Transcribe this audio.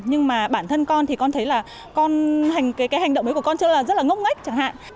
nhưng mà bản thân con thì con thấy là cái hành động ấy của con rất là ngốc ngách chẳng hạn